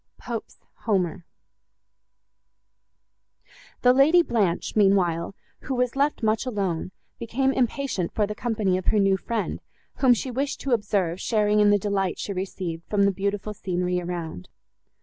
POPE'S HOMER The Lady Blanche, meanwhile, who was left much alone, became impatient for the company of her new friend, whom she wished to observe sharing in the delight she received from the beautiful scenery around.